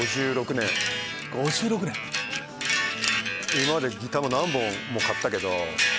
今までギター何本も買ったけど。